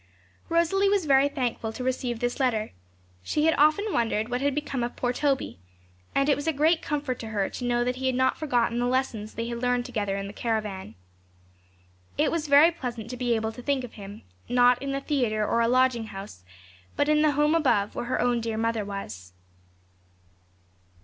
Rosalie was very thankful to receive this letter; she had often wondered what had become of poor Toby; and it was a great comfort to her to know that he had not forgotten the lessons they had learned together in the caravan. It was very pleasant to be able to think of him, not in the theatre or a lodging house, but in the home above, where her own dear mother was.